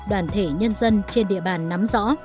đoàn thể nhân dân trên địa bàn nắm rõ